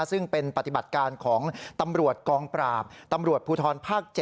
ซึ่งเป็นปฏิบัติการของตำรวจกองปราบตำรวจภูทรภาค๗